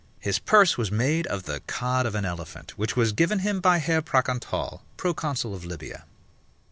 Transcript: His purse was made of the cod of an elephant, which was given him by Herr Pracontal, proconsul of Lybia.